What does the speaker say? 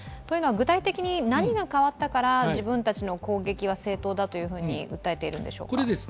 具体的に何が変わったから自分たちの攻撃が正当だと訴えているのでしょうか？